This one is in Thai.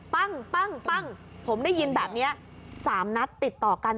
ปั้งผมได้ยินแบบนี้๓นัดติดต่อกัน